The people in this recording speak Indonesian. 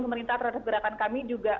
pemerintah terhadap gerakan kami juga